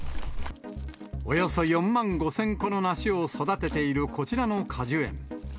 およそ４万５０００個の梨を育てている、こちらの果樹園。